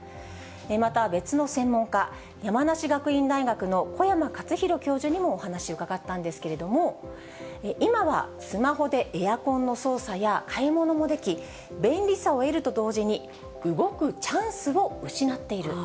また別の専門家、山梨学院大学の小山勝弘教授にもお話、伺ったんですけれども、今はスマホでエアコンの操作や買い物もでき、便利さを得ると同時に、動くチャンスを失っている。